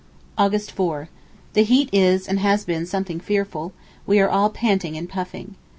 August 4.—The heat is and has been something fearful: we are all panting and puffing.